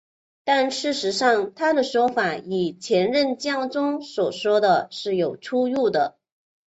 但事实上他的说法与前任教宗所说的有出入。